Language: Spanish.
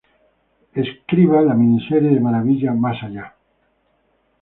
Escriba la miniserie de Maravilla "Más allá"!.